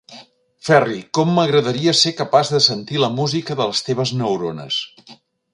Ferri, com m'agradaria ser capaç de sentir la música de les teves neurones!